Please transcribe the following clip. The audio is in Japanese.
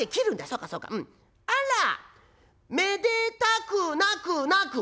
『あらめでたくなくなく』」。